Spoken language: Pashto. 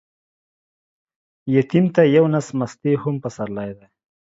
يتيم ته يو نس مستې هم پسرلى دى.